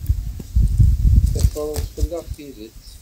Teffreḍ fell-aɣ tidet.